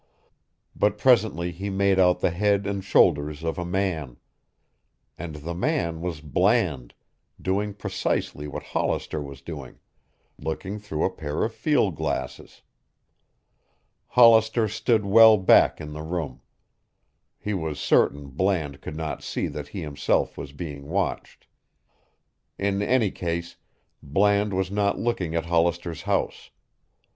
But presently he made out the head and shoulders of a man. And the man was Bland, doing precisely what Hollister was doing, looking through a pair of field glasses. Hollister stood well back in the room. He was certain Bland could not see that he himself was being watched. In any case, Bland was not looking at Hollister's house.